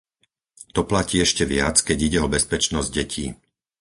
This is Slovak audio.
To platí ešte viac, keď ide o bezpečnosť detí.